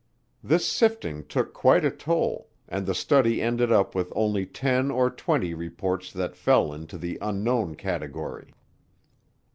This sifting took quite a toll, and the study ended up with only ten or twenty reports that fell into the "Unknown" category.